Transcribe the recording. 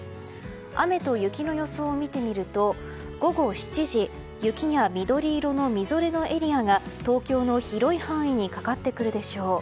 雨と雪の予想を見てみると午後７時雪や緑色のみぞれのエリアが東京の広い範囲にかかってくるでしょう。